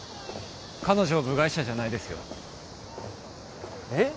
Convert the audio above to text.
彼女は部外者じゃないですよえっ？